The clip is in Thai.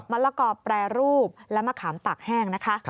มะละกอบแปรรูปและมะขามตักแห้ง